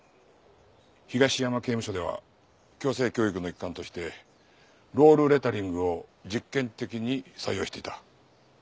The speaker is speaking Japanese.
東山刑務所では矯正教育の一環としてロールレタリングを実験的に採用していた。